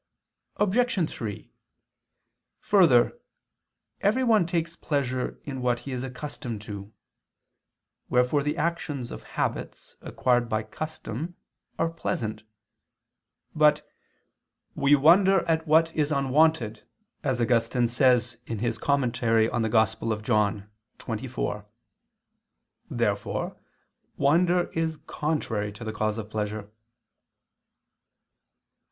Obj. 3: Further, everyone takes pleasure in what he is accustomed to: wherefore the actions of habits acquired by custom, are pleasant. But "we wonder at what is unwonted," as Augustine says (Tract. xxiv in Joan.). Therefore wonder is contrary to the cause of pleasure.